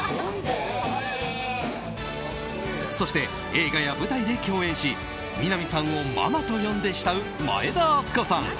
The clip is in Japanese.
そして、映画や舞台で共演し南さんをママと呼んで慕う前田敦子さん。